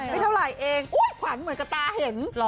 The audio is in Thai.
ไม่เท่าไหร่เองขวัญเหมือนกับตาเห็น